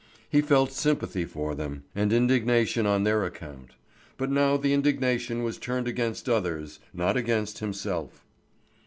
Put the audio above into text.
He felt sympathy for them, and indignation on their account; but now the indignation was turned against others, not against himself.